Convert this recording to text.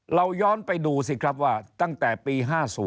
เราย้อนไปดูสิครับว่าตั้งแต่ปี๕๐